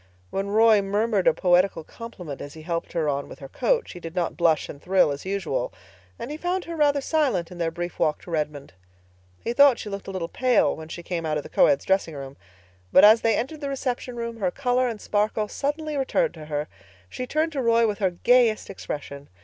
When Roy murmured a poetical compliment as he helped her on with her coat, she did not blush and thrill as usual; and he found her rather silent in their brief walk to Redmond. He thought she looked a little pale when she came out of the coeds' dressing room; but as they entered the reception room her color and sparkle suddenly returned to her. She turned to Roy with her gayest expression.